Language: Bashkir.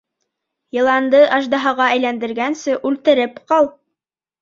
Йыланды аждаһаға әйләндергәнсе үлтереп ҡал.